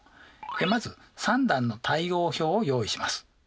まず３段の対応表を用意します。